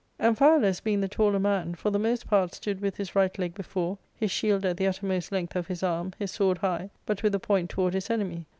Amphialus, being the taller man, for the most part stood with his right leg before, his shield at the uttermost length of his arm, his sword high, but with the point toward his enemy.